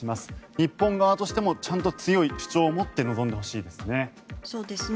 日本側としてもちゃんと強い主張をもって臨んでほしいですね。